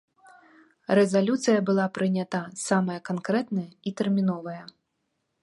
Рэзалюцыя была прынята самая канкрэтная і тэрміновая.